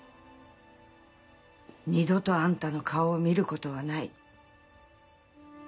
「二度とあんたの顔を見る事はない」。